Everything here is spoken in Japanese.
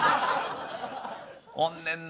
おんねんな。